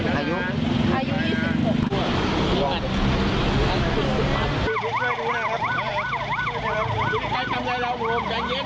ไม่รู้ว่าตอนตำรวจตามทาง๒ทางกระโปรง